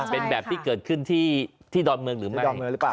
เป็นแบบที่เกิดขึ้นที่ดอนเมืองหรือไม่